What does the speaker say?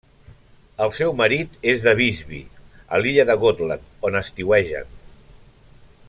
El seu marit és de Visby, a l'illa de Gotland, on estiuegen.